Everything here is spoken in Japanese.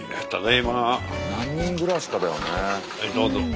はいどうぞ。